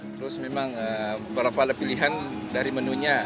terus memang beberapa pilihan dari menunya